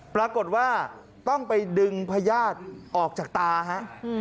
ปรากฏว่าต้องไปดึงพญาติออกจากตาฮะ